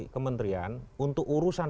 kementerian untuk urusan